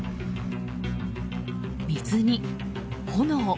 水に炎。